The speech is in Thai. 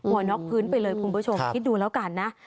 น็อกพื้นไปเลยคุณผู้ชมคิดดูแล้วกันนะ